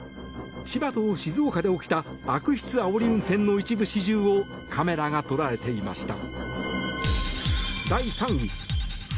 千葉と静岡で起きた悪質あおり運転の一部始終をカメラが捉えていました。